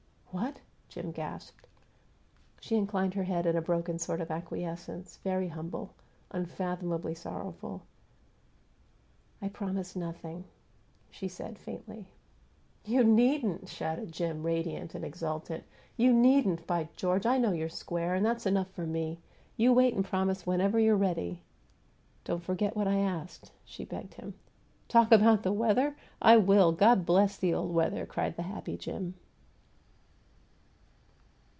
"What?" Jim gasped. She inclined her head in a broken sort of acquiescence, very humble, unfathomably sorrowful. "I promise nothing," she said, faintly. "You needn't!" shouted Jim, radiant and exultant. "You needn't! By George! I know you're square; that's enough for me! You wait and promise whenever you're ready!" "Don't forget what I asked," she begged him. "Talk about the weather? I will! God bless the old weather!" cried the happy Jim.